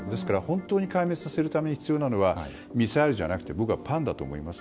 本当に壊滅させるために必要なのはミサイルじゃなくて僕はパンだと思います。